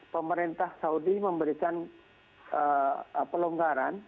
pemerintah saudi memberikan pelonggaran